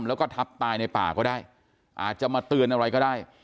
แล้วก็ทับตายในป่าก็ได้อาจจะมาเตือนอะไรก็ได้